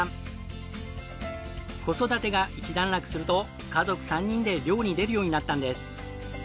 子育てが一段落すると家族３人で漁に出るようになったんです。